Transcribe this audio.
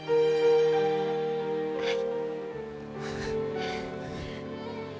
はい。